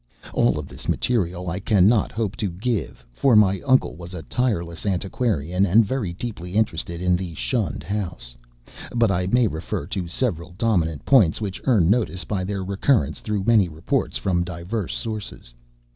All of this material I cannot hope to give, for my uncle was a tireless antiquarian and very deeply interested in the shunned house; but I may refer to several dominant points which earn notice by their recurrence through many reports from diverse sources.